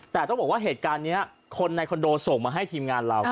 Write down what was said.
แต่ต้องบอกว่าเหตุการณ์นี้คนในคอนโดส่งมาให้ทีมงานเรา